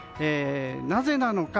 なぜなのか。